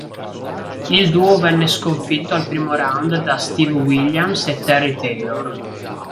Il duo venne sconfitto al primo round da Steve Williams e Terry Taylor.